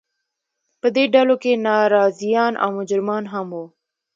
په دې ډلو کې ناراضیان او مجرمان هم وو.